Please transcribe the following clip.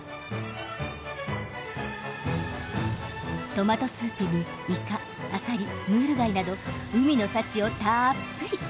トマトスープにイカアサリムール貝など海の幸をたっぷり。